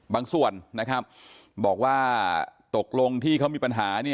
บางส่วนนะครับบอกว่าตกลงที่เขามีปัญหา